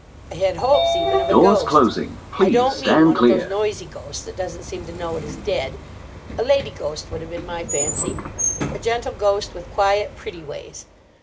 I had hopes even of a ghost. I don't mean one of those noisy ghosts that doesn't seem to know it is dead. A lady ghost would have been my fancy, a gentle ghost with quiet, pretty ways.